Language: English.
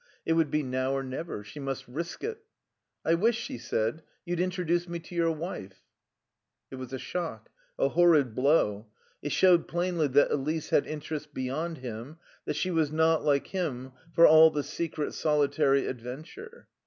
It would be now or never. She must risk it. "I wish," she said, "you'd introduce me to your wife." It was a shock, a horrid blow. It showed plainly that Elise had interests beyond him, that she was not, like him, all for the secret, solitary adventure.